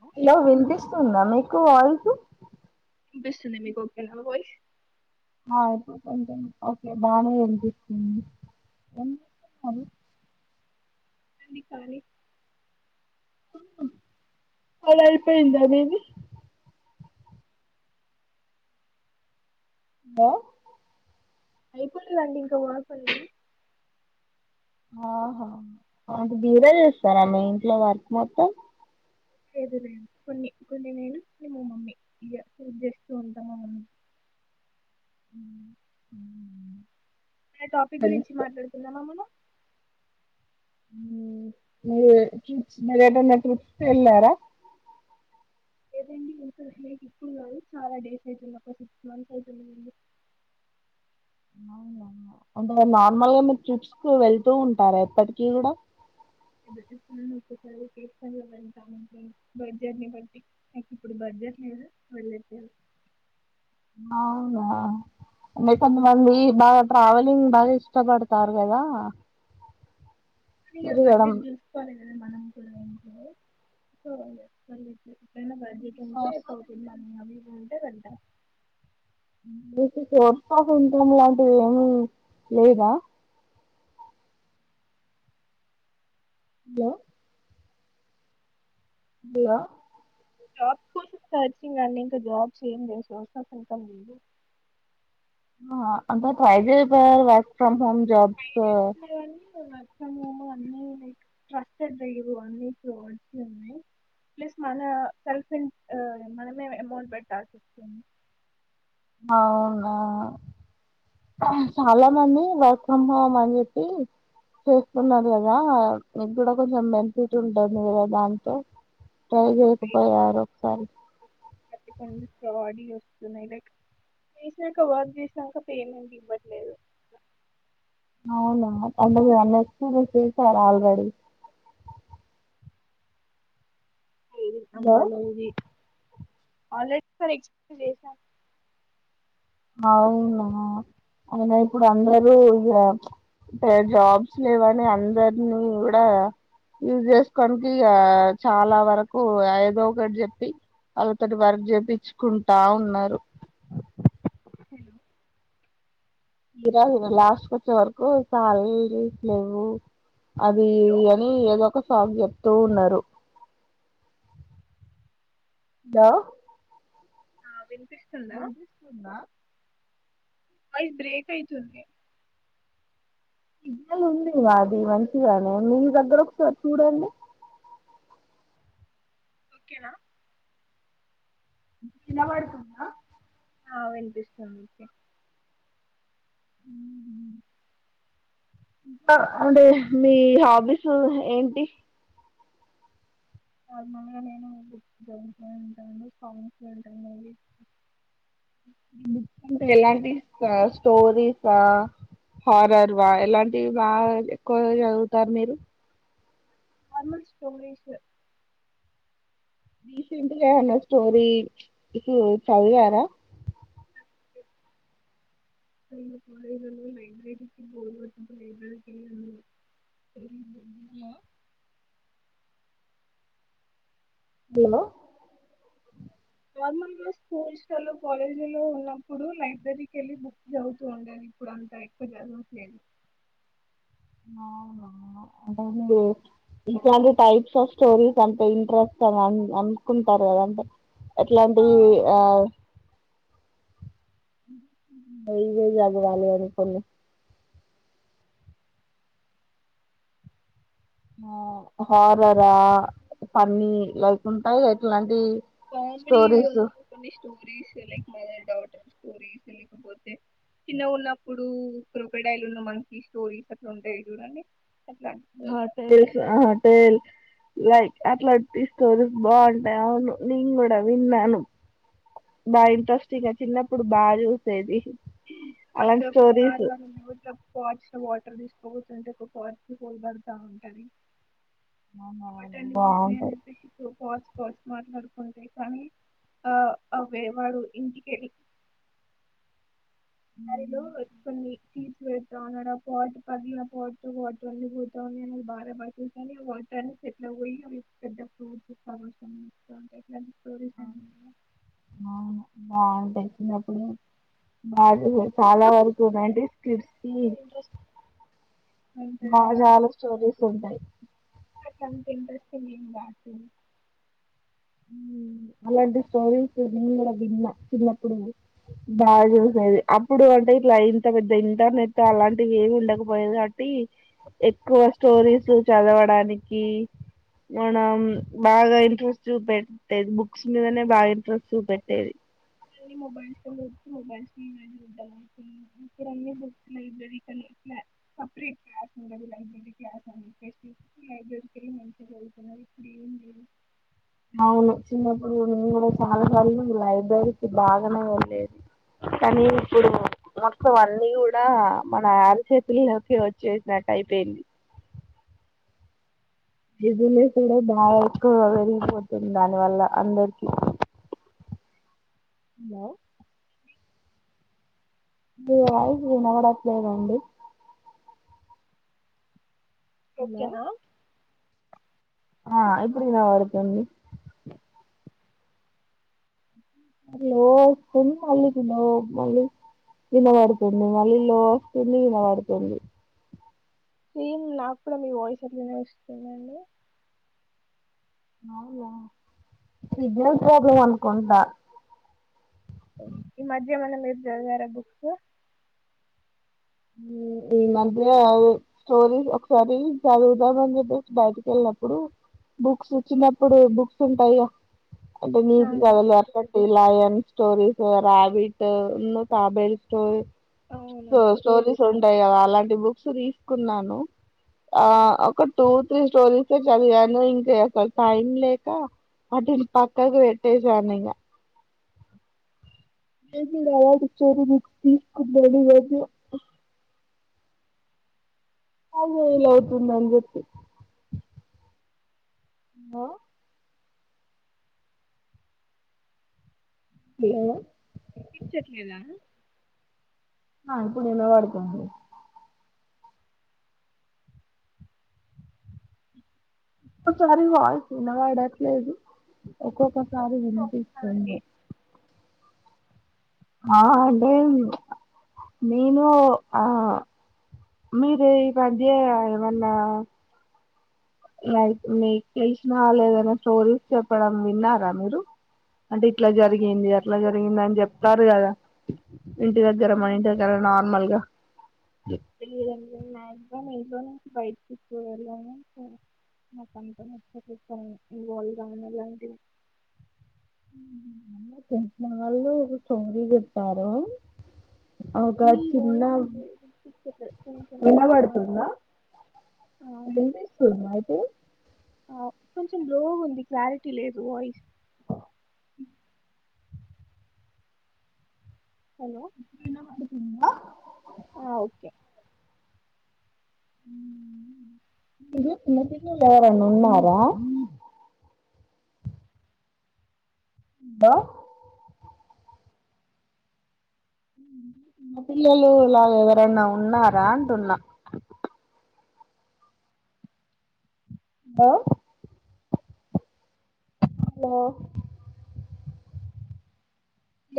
hello hello వినిపిస్తుందా మీకు voice వినిపిస్తుంది మీకు ఓకేన నా వాయిస్ ఆ ఇప్పుడు కొంచెం ఓకే బానే వినిపిస్తుంది [unintelligible] కి కానీ అలా ఐపోయిందా మీది హలో అయిపోలేదండి ఇంకా వర్క్ ఉంది ఆహా అంటే మీరే చేస్తారా మీ ఇంట్లో వర్క్ మొత్తం లేదు లేదు కొన్ని కొన్ని నేను కొన్ని మా మమ్మీ ఇల హెల్ప్ చేస్తూ ఉంటా మా మమ్మీకి ఉమ్ ఉ ఉ ఉమ్ ఆ టాపిక్ గురించి మాట్లాడుకుందామా మనం ఉమ్ మీరే ట్రిప్స్ మీరేదన్నా ట్రిప్స్ కి వెళ్ళారా లేదండి ఇంత ఇంకా ట్రిపులు ఇప్పుడు కాదు చాలా డేస్ అవుతుంది ఒక సిక్స్ మంత్స్ అవుతున్నదండి వెళ్ళి అవునవును అంటే నార్మల్గా మీరు ట్రిప్స్ కు వెళ్తూ ఉంటారా ఎప్పటికి కూడా ఏదో ఒక్కోసారి తీసుకెళ్లమంటంమండి బడ్జెట్ ని బట్టి నాకిప్పుడు బడ్జెట్ లేదు వెళ్ళట్లేదు అవునా అంటే కొంత మంది బాగా ట్రావెలింగ్ బాగా ఇష్టపడతారు కదా అయ్యయ్యో తిరగడం బడ్జెట్ చూసుకోలేదు మనం కూడా ఉండుంటే సో [inaudible] ఏమన్నా బడ్జెట్ ఉంటే సోర్స్ ఆఫ్ పోకుండా అవివు టే వెంట మీకు సోర్స్ ఆఫ్ ఇన్కమ్ లాంటివి ఏమీ లేదా హలో హలో జాబ్ కోసం సెర్చింగ్ అండి ఇంకా జాబ్స్ ఏమీ లేవు సోర్స్ అఫ్ ఇన్కమ్ లేదు ఆ అంటే ట్రై చెయ్యకపోయారు work from home try jobs చేస్తున్నా కానీ వర్క్ ఫ్రం హోం అన్నీ ట్రస్టెడ్ లేవు అన్నీ ఫ్రాడ్స్ ఉన్నయ్ ప్లస్ మన సెల్ఫ్ ఆ మనమే అమౌంట్ పెట్టాల్సి వస్తుంది అవును చాలా మంది వర్క్ ఫ్రమ్ హోమ్ అని చెప్పి చేసుకున్నరు కదా మీకు కూడా కొంచెం బెనిఫిట్ ఉంటుంది కదా దాంతో ట్రై చేయకపోయారు సారీ ట్టి కొన్ని ఫ్రాడియ్యి వస్తున్నాయి లైక్ చేసినాక వర్క్ చేసినాక పేమెంట్ ఇవ్వట్లేదు అవునా అంటె మీరు అన్నీ ఎక్స్పీరియన్స్ చేసారు ఆల్రెడీ హలో [unintelligible] ఆల్రెడీ ఎక్స్పీరియన్స్ చేసా అవునా అయినా ఇప్పుడు అందరూ ఇక అంటే జాబ్స్ లేవని అందరినీ కూడా యూస్ చేసుకోడానికి ఇక చాలా వరకు ఏదో ఒకటి చెప్పి ఆళ్ళతోటి వర్క్ చేపిచ్చుకుంటా ఉన్నారు హలో ఇరా ఇలా లాస్ట్ కి వచ్చే వరకు శాలరీస్ లేవు అది అని ఏదో ఒక సాకు చెప్తూ ఉన్నారు హలో వి వినిపిస్తుందా వాయిస్ బ్రేక్ ఐతుంది సిగ్నల్ ఉంది మాది మంచిగానే మీ దగ్గర ఒకసారి చూడండి ఓకేనా వినపడుతుందా ఆ వినిపిస్తుంది అ ఇకా అంటే మీ హాబీస్ ఏంటి నార్మల్గా నేను బుక్ జాయి వింటాను సాంగ్స్ వింటాను అంట ఎలాంటి స్టోరీస హారర్ వా ఎలాంటివి బాగా ఎక్కువ చదువుతారు మీరు నార్మల్ స్టోరీస్ రీసెంట్ గా ఏమన్నా స్టోరీ ఇ చదివారా [unintelligible] [inaudible] ఏ హలో నార్మల్గా స్కూల్ స్టలో కాలేజీలో ఉన్నప్పుడు లైబ్రరీకి వెళ్ళి బుక్ చదువుతూ ఉండాను ఇప్పుడు అంతా ఎక్కువ చదువట్లేదు అవునా అ ఇట్లాంటి టైప్స్ ఆఫ్ స్టోరీస్ అంటే ఇంట్రెస్ట్ అని అనుకుంటారు కదంటే ఎట్లాంటి ఆ ఇవే చదవాలో అని కొన్ని ఆ హారరా ఫన్నీ ఉంటాయి ఎట్లాంటి కామెడి వ కొన్ని స్టోరీస్ లక్ మ డౌట్ స్టోరీస్ లేకపోతే చిన్న ఉన్నప్పుడు కొకడయిలు ఉన్న మనకి స్టోరీస్ అట్లా ఉంటాయి చూడండి అట్లాంటి హోటల్స్ హోటల్ లైక్ అట్లా తీసుకకో బాగుంటాయి అవును నేను కూడా విన్నాను బా ఇంట్రెస్టింగ్ చిన్నప్పుడు బాగా చూసేది అలాంటి స్టోరీస్ [inaudible] [unintelligible] [unintelligible] అవునా అటన్ని పోతున్నాయి అని బాగుంటాది చెప్పేసి ఆ అవే వాడు ఇంటికె ల్ కరిలో కొన్ని తీ పెడుతా [unintelligible] అవును బాగుంటాయి నప్పుడు బాగ్ చాలా అప్పుడు వరకు స్టోరీస్ నైన్టిస్ కిడ్స్కి ఇంట్రెస్ట్ అంత బా చాలా స్టోరీస్ ఉంటాయి నాకంత ఇంట్రెస్ంగ్ బ [unintelligible] అలాంటి స్టోరీస్ నిను కూడా విన్న చిన్నప్పుడు బాగా చూసేది అప్పుడు అంటే ఇట్లా ఇంత పెద్ద ఇంటర్నెట్ అలాంటివి ఏమి ఉండకపోయేది కాబట్టి ఎక్కువ స్టోరీస్ చదవడానికి మనం బాగా ఇంట్రె చూపెట్టేది బుక్స్ మీదనే బాగా ఇంట్రెస్ట్ చూపెట్టేది న్ని మొబైల్ [unintelligible] [inaudible] అవును చిినప్పుడు నేను కూడా చాలాసార్లు లైబ్రరీకి బాగానే వెళ్లేది కానీ ఇప్పుడు మొత్తం అన్నీ కూడా మన అరిచేతుల్లోకే వచ్చేసినట్టు అయిపోయింది బిజీనేస్ కూడా బాగా ఎక్కువగా పెరిగిపోతుంది దాని వల్ల అందరికి హ మీరు వాయిస్ వినపడట్లేదండి హలో ఓకేనా ఆ ఇప్పుడు వినపడుతుంది అ లో వస్తుంది మళ్ళీ లో మళ్ళీ వినబడుతుంది మళ్ళీ లో వస్తుంది వినబడుతుంది ఏం నాకు కూడా మీ వాయిస్ అట్లానే వస్తుందండి అవునా సిగ్నల్ ప్రాబ్లెమ్ అనుకుంటా ఈ మధ్య ఏమన్నా మీరు చదివారా బుక్స్ ఈ మధ్య స్టోరీస్ ఒకసారి చదువుదామని చెప్పేసి బయటికి వెళ్ళినప్పుడు బుక్స్ ఇచ్చినప్పుడు బుక్స్ ఉంటాయిగా అంటే నీతి అవును కాధలు అట్లన్ దిలయన్ స్టోరీస్ రాబిట్ ఉన్ను తాబేల్ స్టోరీ అవునా స్టోరీస్ ఉంటాయి కదా అలాంటి బుక్స్ తీసుకున్నాను ఆ ఒక టూ త్రీ స్టోరీస్ ఏ చదివాను ఇంక అసలు టైం లేక వాటిని పక్కకు పెట్టేేశాను ఇగ [unintelligible] అదే ఇలా అవుతుందనీ చెప్పి హ హలో వినిపించట్లేదా ఆ ఇప్పుడు వినపడుతుంది ఒ సారి వాయిస్ వినపడట్లేదు ఒకొక్క సారి విన్ హ అండి ఆ అంటే నేను ఆ మీరు ఈ మధ్య ఏమన్నా లైక్ మీకు తెెలిసినా వాళ్లెవలన్న స్టోరీస్ చెప్పడం విన్నారా మీరు అంటే ఇట్లా జరిగింది అట్లా జరిగిందని చెప్ స్తారుకదా ఇంటి దగ్గర మన ఇంటి దగ్గర నార్మల్ గా ఇదం [unintelligible] ఇ నలో బయటికికుూ వెళ్ళాము నాకంతాచ్చ ఇవాల్ కానలాంటి తెలిసినవాళ్లు స్టోరీ చెప్పారు అకా మీ చిన్న వాయిస్ వినిపించట్లే కొంచెం గట్టిగా వినబడుతుందా మాట్లాడు ఆ వినిపిస్తుందా ఇది ఆ కొంచెం లో ఉంది క్లారిటీ లేదు వాయిస్ హలో వినబడుతుందా ఆ ఓకే చిన్నపిల్లలు ఎవరైనా ఉన్నారా హలోో చిన్న పిల్లలు ఇలా ఎవరైనా ఉన్నారా అంటున్నా హలో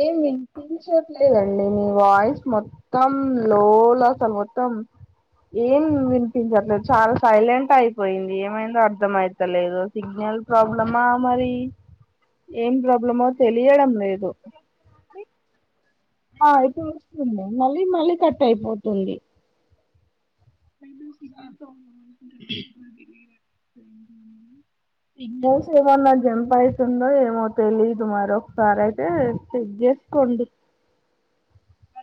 ఏం వినిపించట్లేదండి నీ వాయిస్ మొత్తం లో లో అసలు మొత్తం ఏం వినిపించట్లేదు చాలా సైలెంట్ అయిపోయింది ఏమైందో అర్థం అయితలేదు సిగ్నల్ ప్రాబ్లమా మరి ఏం ప్రాబ్లమా తెలియడం లేదు అండి ఆ ఇప్పుడు వస్తుంది మళ్ళీ మళ్ళీ కట్ అయిపోతుంది అయితే సిగ్నల్ ప్రాబ్లం మట్టుంది ఇక్కడ ఈ గ [inaudible] సిగ్నల్స్ ఏమన్నా జంప్ అయితుందో ఏమో తెలీదు మర ఒకసారి అయితే చెక్ చేసుకోండి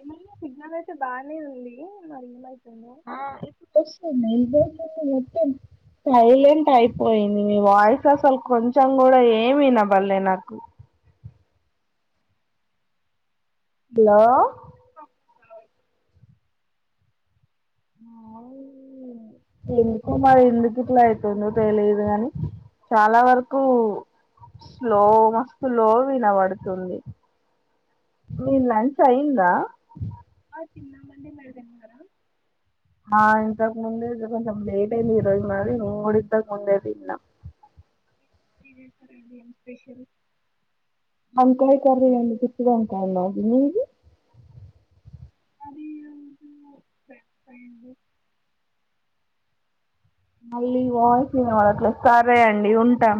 మ సిగ్నమ్ అయితే బాగానే ఉంది మరి ఏమై ఆ ఇప్పుడు వస్తుంది అ మొత్తం సైలెంట్ అయిపోయింది మీ వాయిస్ అసలు కొంచెం కూడా ఏమీ వినబడలే నాకు హలో వై [unintelligible] ంకా మరి ఎందుకు ఇట్లా అవుతుందో తెలియదు కాని చాలా వరకు స్లో మస్తు లో వినబడుతుంది మీ లంచ్ అయిందా పప్పా తిన్నామండి మీరు తిన్నారా నా ఇంతాకు ముందే కొంచ లేట్ అయిది ఈ రరోజు మ్రిఊడి తక్ ముందదిన్నా ఏం స్పెషల్ వంకాయ కర్రీ గుత్తి వంకాయ మాది మీది అది రోజు బెండకాయ అండి మళ్ళీ వాయిస్ినవాళ అట్లా సరే అండి ఉంటాం